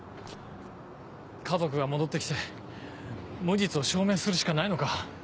家族が戻って来て無実を証明するしかないのか。